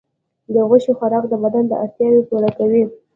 د غوښې خوراک د بدن اړتیاوې پوره کوي.